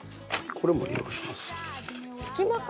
これも利用します。